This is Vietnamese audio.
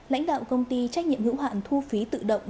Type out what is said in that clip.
lãnh đạo công ty trách nhiệm hữu hạn thu phí tự động